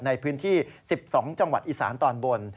ในพื้นที่๑๒จังหวัดอีสานตอนบน